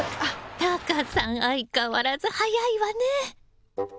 タカさん相変わらず早いわね！